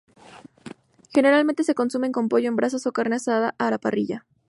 Generalmente se consumen con pollo en brasas o carne asada a la parrilla.